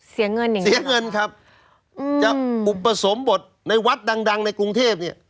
เสียเงินอย่างเงี้เสียเงินครับอืมจะอุปสมบทในวัดดังดังในกรุงเทพเนี่ย